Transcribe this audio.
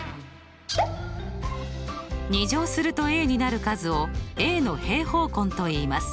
２乗するとになる数をの平方根といいます。